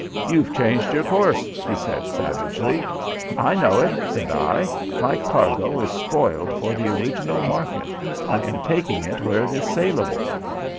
"You've changed your course!" he said, savagely. "I know it," said I. "My cargo is spoiled for the original market. I am taking it where it is salable."